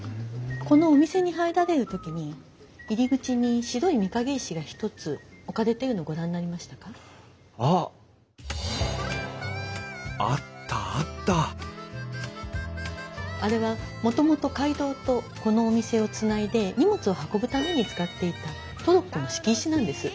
このお店に入られる時に入り口に白い御影石が一つ置かれているのをご覧になりましたか？あっ！あったあったあれはもともと街道とこのお店をつないで荷物を運ぶために使っていたトロッコの敷石なんです。